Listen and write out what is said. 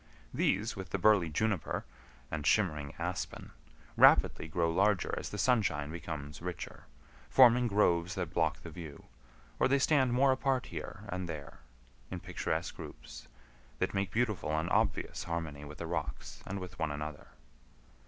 These, with the burly juniper, and shimmering aspen, rapidly grow larger as the sunshine becomes richer, forming groves that block the view; or they stand more apart here and there in picturesque groups, that make beautiful and obvious harmony with the rocks and with one another.